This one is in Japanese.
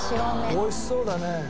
美味しそうだね。